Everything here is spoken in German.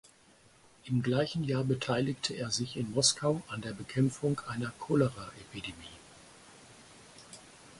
Im gleichen Jahr beteiligte er sich in Moskau an der Bekämpfung einer Choleraepidemie.